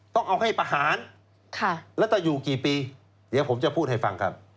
ต้องเอาให้ประหารแล้วถ้าอยู่กี่ปีเดี๋ยวผมจะพูดให้ฟังครับ